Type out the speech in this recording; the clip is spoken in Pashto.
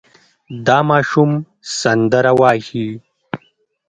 دا ماشوم سندره وايي.